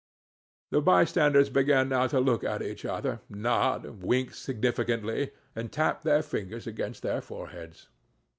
The by standers began now to look at each other, nod, wink significantly, and tap their fingers against their foreheads.